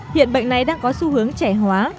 hiện bệnh này đang có xu hướng trẻ hóa